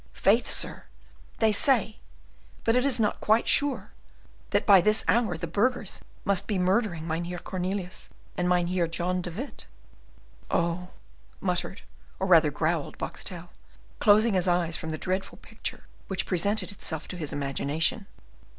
"Faith, sir, they say but it is not quite sure that by this hour the burghers must be murdering Mynheer Cornelius and Mynheer John de Witt." "Oh," muttered, or rather growled Boxtel, closing his eyes from the dreadful picture which presented itself to his imagination.